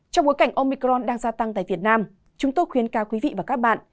trong bối cảnh omicron đang gia tăng tại việt nam chúng tôi khuyến cáo quý vị và các bạn